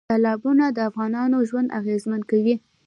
تالابونه د افغانانو ژوند اغېزمن کوي.